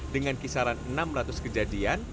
dengan kisaran enam ratus kejadian